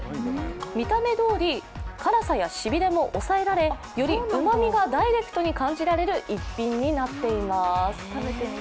見た目どおり辛さやしびれも抑えられよりうまみがダイレクトに感じられる一品になっています。